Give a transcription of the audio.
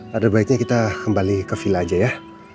pada baiknya kita kembali ke villa aja ya